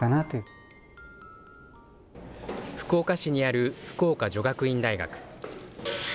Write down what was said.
福岡市にある福岡女学院大学。